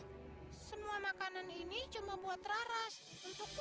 hai semua makanan ini cuma buat raras untuk